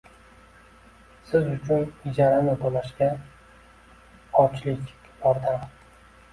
Siz ucun ijarani tulashga ojlik yordam